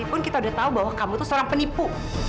sekalipun kita udah tahu bahwa kamu tuh seorang penipu